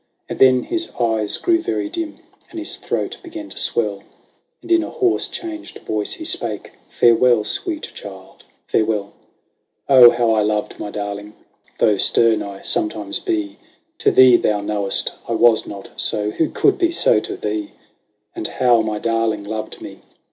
And then his eyes grew very dim, and his throat began to swell. And in a hoarse, changed voice he spake, " Farewell, sweet child ! Farewell ! 166 LAYS OF ANCIENT ROME. Oh ! how I loved my darling ! Though stern I sometimes be. To thee, thou know'st, I was not so. Who could be so to thee ? And how my darling loved me